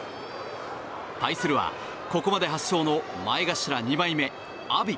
対するは、ここまで８勝の前頭二枚目・阿炎。